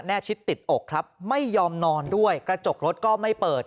ชิดติดอกครับไม่ยอมนอนด้วยกระจกรถก็ไม่เปิด